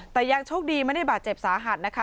แต่ยังโชคดีไม่ได้บาดเจ็บสาหัสนะคะ